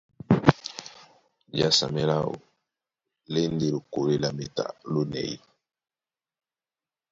Jasamɛ láō lá e ndé lokólí lá méta lónɛ̌y.